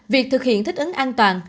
việc thực hiện thích ứng an toàn